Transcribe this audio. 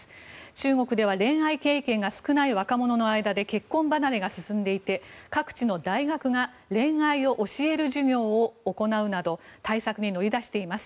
中国では恋愛経験が少ない若者の間で結婚離れが進んでいて各地の大学が恋愛を教える授業を行うなど対策に乗り出しています。